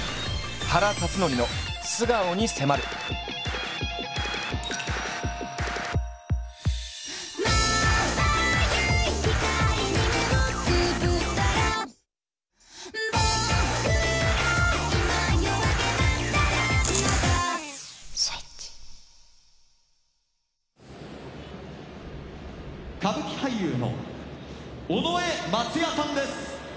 原辰徳の歌舞伎俳優の尾上松也さんです。